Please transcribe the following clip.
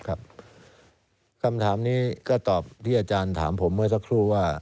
คำถามนี้ก็ตอบที่อาจารย์ถามผมเมื่อสักครู่ว่า